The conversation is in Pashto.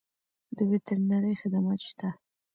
د وترنرۍ خدمات شته؟